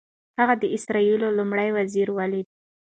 هغه د اسرائیلو لومړي وزیر ولید.